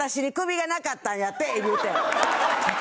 言うて。